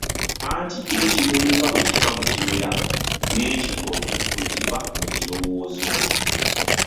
Anti ekimuli nga bwe kiva mu kimera, n'ekikolwa bwe kiva mu kirowoozo.